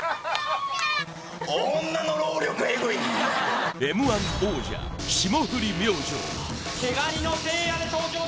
女の労力エグいＭ−１王者霜降り明星毛ガニのせいやで登場だ